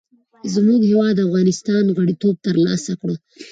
زموږ هېواد افغانستان غړیتوب تر لاسه کړ.